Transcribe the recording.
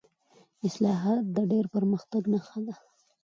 اصلاحات د پرمختګ نښه ده